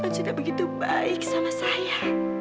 sudah begitu baik sama saya